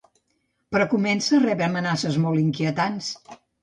Però comença a rebre amenaces molt inquietants.